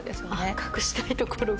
隠したいところが。